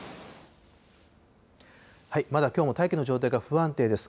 まだきょうも大気の状態が不安定です。